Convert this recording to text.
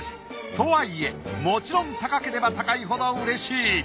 とはいえもちろん高ければ高いほどうれしい！